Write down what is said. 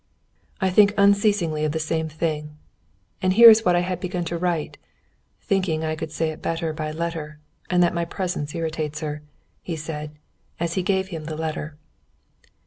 "I think unceasingly of the same thing. And here is what I had begun writing, thinking I could say it better by letter, and that my presence irritates her," he said, as he gave him the letter.